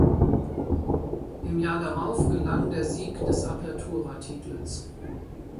Im Jahr darauf gelang der Sieg des Apertura-Titels.